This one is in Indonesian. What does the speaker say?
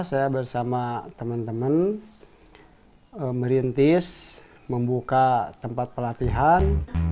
saya bersama teman teman merintis membuka tempat pelatihan